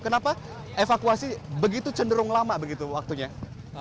kenapa evakuasi begitu cenderung lama begitu waktunya